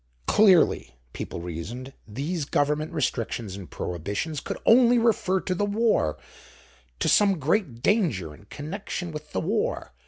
Clearly, people reasoned, these Government restrictions and prohibitions could only refer to the war, to some great danger in connection with the war.